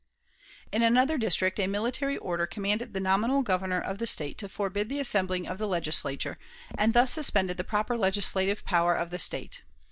In another district, a military order commanded the nominal Governor of the State to forbid the assembling of the Legislature, and thus suspended the proper legislative power of the State.